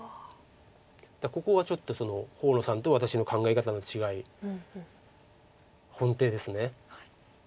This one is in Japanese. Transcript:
だからここはちょっと河野さんと私の考え方の違い本手です。